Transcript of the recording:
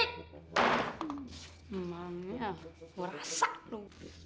emangnya kurasa lu